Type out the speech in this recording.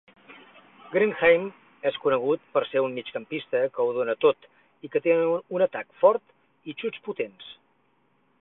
Grindheim és conegut per ser un migcampista que ho dona tot i que té un atac fort i xuts potents.